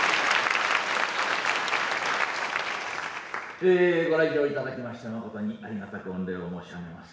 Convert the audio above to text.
えご来場いただきましてまことにありがたく御礼を申し上げます。